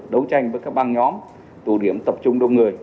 đấu tranh với các băng nhóm tụ điểm tập trung đông người